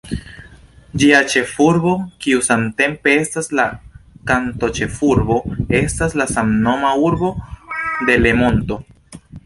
Ĝia ĉefurbo, kiu samtempe estas la kantonĉefurbo, estas la samnoma urbo Delemonto.